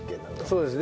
そうです。